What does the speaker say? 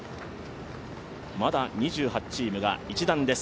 まだ２８チームが一団です。